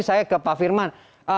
saya ke pak firman